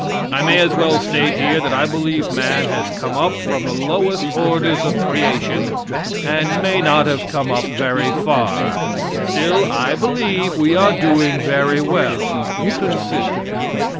I may as well state here that I believe man has come up from the lowest orders of creation, and may have not come up very far; still, I believe we are doing very well, considering.